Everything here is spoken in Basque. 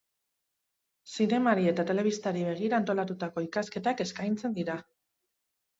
Zinemari eta telebistari begira antolatutako ikasketak eskaintzen dira.